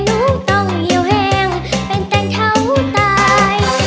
ลูกต้องเหี่ยวแห้งเป็นตันเท้าตาย